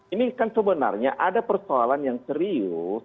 ini kan sebenarnya ada persoalan yang serius